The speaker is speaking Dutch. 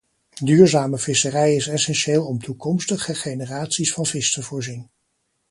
Duurzame visserij is essentieel om toekomstige generaties van vis te voorzien.